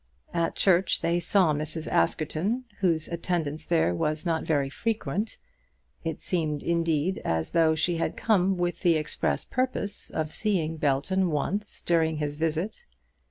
At church they saw Mrs. Askerton, whose attendance there was not very frequent. It seemed, indeed, as though she had come with the express purpose of seeing Belton once during his visit.